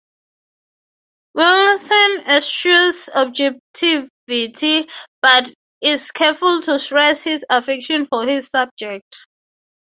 Wilson eschews objectivity, but is careful to stress his affection for his subject.